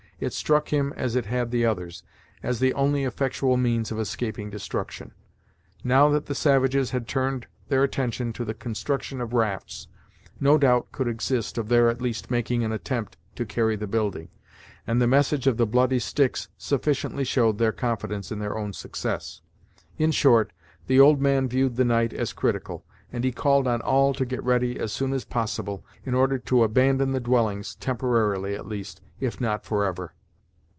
It struck him as it had the others, as the only effectual means of escaping destruction. Now that the savages had turned their attention to the construction of rafts, no doubt could exist of their at least making an attempt to carry the building, and the message of the bloody sticks sufficiently showed their confidence in their own success. In short, the old man viewed the night as critical, and he called on all to get ready as soon as possible, in order to abandon the dwellings temporarily at least, if not forever.